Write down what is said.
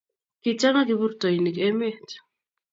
Kichanga kiburtoinik emet